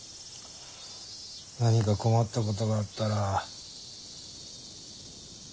何か困ったことがあったら。